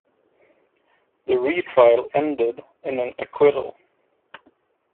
The retrial ended in an acquittal.